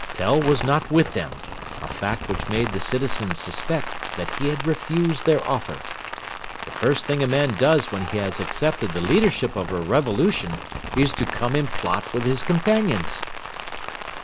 Tell was not with them, a fact which made the citizens suspect that he had refused their offer. The first thing a man does when he has accepted the leadership of a revolution is to come and plot with his companions.